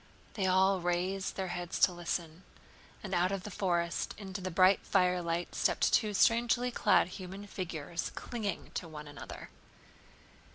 They all raised their heads to listen, and out of the forest into the bright firelight stepped two strangely clad human figures clinging to one another.